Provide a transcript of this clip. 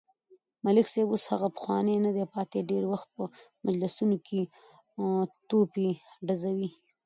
ملک صاحب اوس هغه پخوانی ندی پاتې، ډېری وخت په مجلسونو کې توپې ډزوي.